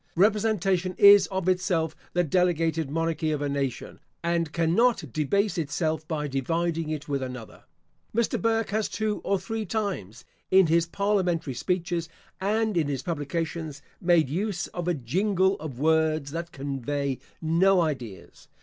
Representation is of itself the delegated monarchy of a nation, and cannot debase itself by dividing it with another. Mr. Burke has two or three times, in his parliamentary speeches, and in his publications, made use of a jingle of words that convey no ideas.